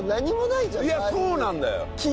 いやそうなんだよ。